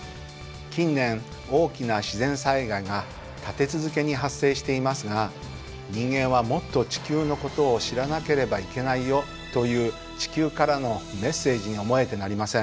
近年大きな自然災害が立て続けに発生していますが人間はもっと地球のことを知らなければいけないよという地球からのメッセージに思えてなりません。